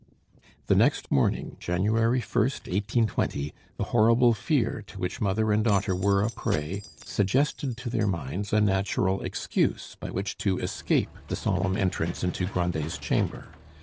The next morning, January 1, 1820, the horrible fear to which mother and daughter were a prey suggested to their minds a natural excuse by which to escape the solemn entrance into Grandet's chamber.